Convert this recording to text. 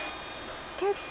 結構。